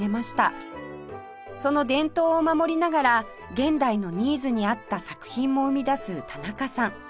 その伝統を守りながら現代のニーズに合った作品も生み出す田中さん